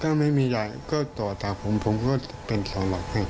ถ้าไม่มียายก็ต่อต่างผมก็เป็นเหล่าหลัก